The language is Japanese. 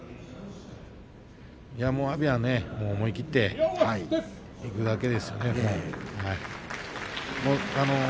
阿炎は思い切っていくだけですよ。